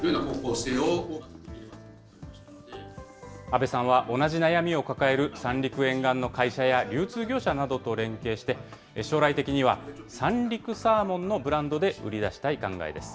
阿部さんは同じ悩みを抱える三陸沿岸の会社や、流通業者などと連携して、将来的には三陸サーモンのブランドで売り出したい考えです。